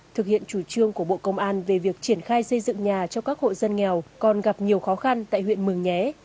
thực hiện chủ trương của bộ công an về việc triển khai xây dựng nhà cho các hộ dân nghèo còn gặp nhiều khó khăn tại huyện mường nhé